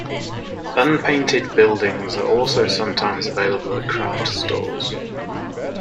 Unpainted buildings are also sometimes available at craft stores.